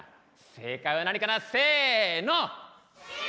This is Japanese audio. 正解は何かなせの。